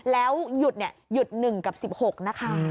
แล้วหยุดหยุด๑กับ๑๖นะคะ